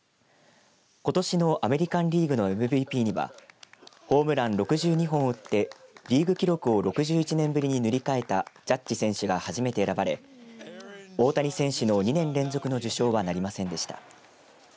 ことしのアメリカンリーグのＭＶＰにはホームラン６２本を打ってリーグ記録を６１年ぶりに塗り替えたジャッジ選手が初めて選ばれ大谷選手の２年連続の受賞はなりませんでした。